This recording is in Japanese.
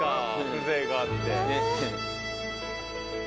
風情があって。